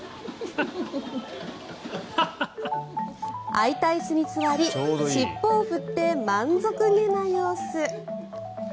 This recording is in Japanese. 空いた椅子に座り尻尾を振って満足げな様子。